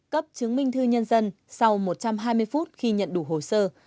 cấp chứng minh thư nhân dân sau một trăm hai mươi phút khi nhận đủ hồ sơ